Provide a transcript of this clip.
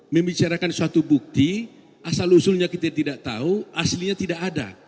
membicarakan suatu bukti asal usulnya kita tidak tahu aslinya tidak ada